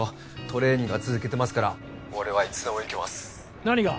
トレーニングは続けてますから☎俺はいつでもいけます何が？